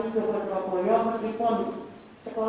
sudah melakukan komunikasi dengan para kepala sekolah